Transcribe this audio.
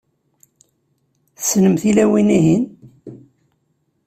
Tessnem tilawin-ihin?